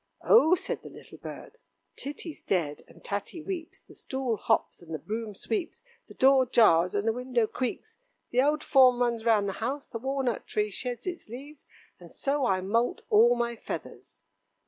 "Oh!" said the little bird, "Titty's dead, and Tatty weeps, the stool hops, and the broom sweeps, the door jars, and the window creaks, the old form runs round the house, the walnut tree sheds its leaves, and so I moult all my feathers."